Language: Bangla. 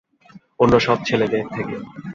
অন্যসব ছেলেদের থেকে।